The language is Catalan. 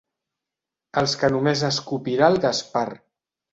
Els que només escopirà el Gaspar.